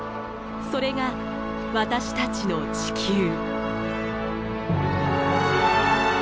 それが私たちの地球。